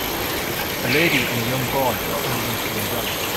A lady and young boy are underneath the umbrella.